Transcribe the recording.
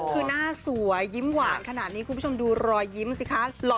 คือหน้าสวยยิ้มหวานขนาดนี้คุณผู้ชมดูรอยยิ้มสิคะ